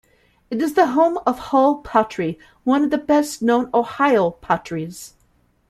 It is the home of Hull pottery, one of the best known Ohio potteries.